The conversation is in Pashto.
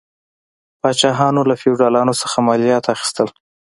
پاچاهانو له فیوډالانو څخه مالیات اخیستل.